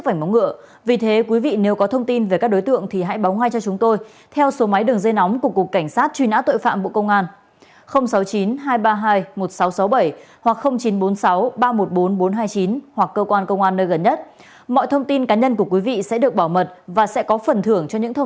tin về truy nã tội phạm sau ít phút